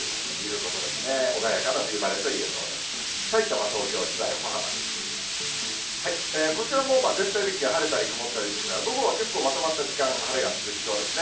こちらも全体的に晴れたり曇ったりですが、午後は結構、まとまった時間晴れが続きそうですね。